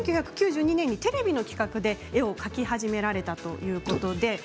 １９９２年にテレビの企画で絵を描き始められたということですね。